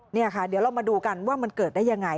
นี่ค่ะเดี๋ยวเรามาดูกันว่ามันเกิดได้ยังไง